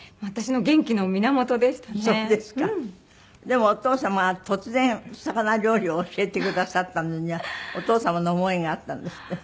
でもお父様が突然魚料理を教えてくださったのにはお父様の思いがあったんですって？